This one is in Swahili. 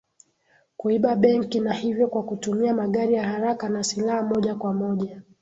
kuiba benki na hivyo kwa kutumia magari ya haraka na silaha moja kwa moja